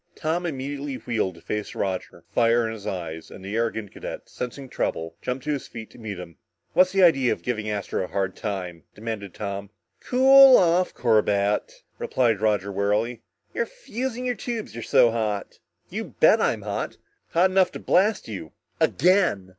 Tom immediately wheeled to face Roger, fire in his eyes, and the arrogant cadet, sensing trouble, jumped to his feet to meet him. "What's the idea of giving Astro a hard time?" demanded Tom. "Cool off, Corbett," replied Roger warily. "You're fusing your tubes you're so hot." "You bet I'm hot! Hot enough to blast you again!"